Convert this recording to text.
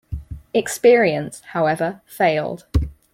Experience, however, failed.